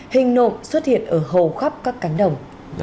hình nộm xuất hiện ở hầu khắp các cánh đồng